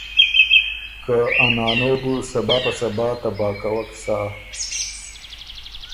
که ا نانو سُو صبا په صبا تباه کوَک سۀ۔